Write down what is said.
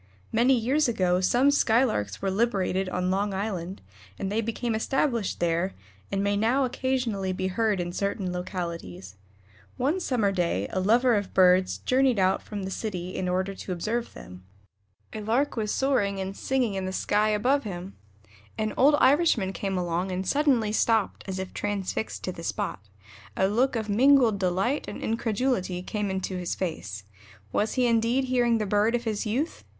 Many years ago some Skylarks were liberated on Long Island, and they became established there, and may now occasionally be heard in certain localities. One summer day a lover of birds journeyed out from the city in order to observe them. A Lark was soaring and singing in the sky above him. An old Irishman came along and suddenly stopped as if transfixed to the spot. A look of mingled delight and incredulity came into his face. Was he indeed hearing the bird of his youth?